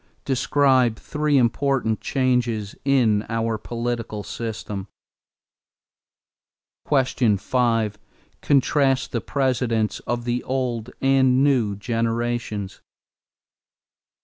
Describe three important changes in our political system. 5. Contrast the Presidents of the old and the new generations.